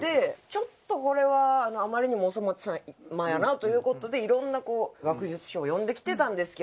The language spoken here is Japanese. ちょっとこれはあまりにもお粗末やなという事でいろんな学術書を読んできてたんですけど。